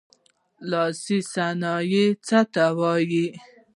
لاسي صنایع څه ته وايي.